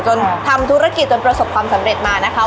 ทำธุรกิจจนประสบความสำเร็จมานะคะ